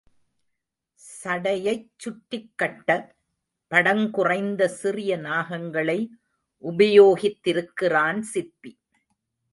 சடையைச் சுற்றிக் கட்ட படங்குறைந்த சிறிய நாகங்களை உபயோகித்திருக்கிறான் சிற்பி.